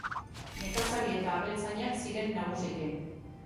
Nekazari eta abeltzainak ziren nagusiki.